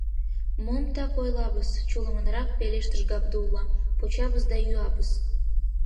— Мом так ойлабыз, — чулымынрак пелештыш Габдулла, — почабыз да йӱабыз.